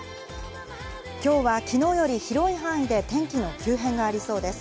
今日は昨日より広い範囲で天気の急変がありそうです。